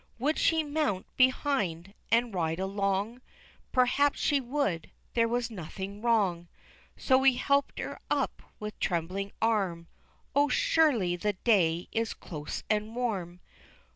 Would she mount behind, and ride along? Perhaps she would, there was nothing wrong So he helped her up with trembling arm, O, surely the day is close and warm!